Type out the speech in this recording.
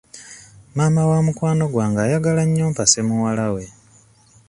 Maama wa mukwano gwange ayagala nnyo mpase muwala we.